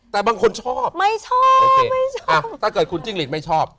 แต่บางคนชอบ